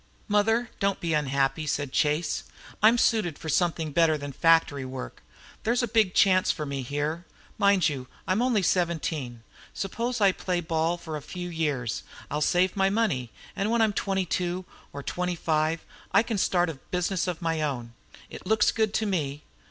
"Mother, don't be unhappy," said Chase. "I am suited for something better than factory work. There's a big chance for me here. Mind you, I'm only seventeen. Suppose I play ball for a few years: I'll save my money, and when I'm twenty two or twenty five I can start a business of my own. It looks good to me!"